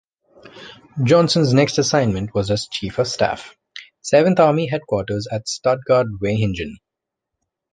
Johnson's next assignment was as chief of staff, Seventh Army Headquarters at Stuttgart-Vaihingen.